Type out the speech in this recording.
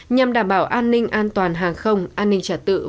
nhằm đảm bảo an ninh an toàn hàng không an ninh trật tự